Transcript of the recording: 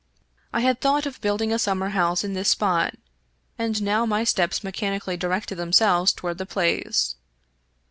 I had thought of building a summer house in this spot, and now my steps mechanically directed themselves toward the place.